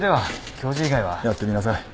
やってみなさい。